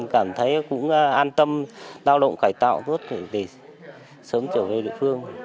cảm thấy cũng an tâm lao động khải tạo rốt để sớm trở về địa phương